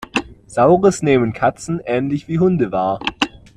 Saures nehmen Katzen ähnlich wie Hunde wahr.